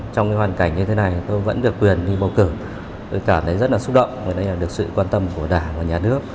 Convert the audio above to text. trong hoàn cảnh như thế này tôi vẫn được quyền đi bầu cử tôi cảm thấy rất là xúc động và đây là được sự quan tâm của đảng và nhà nước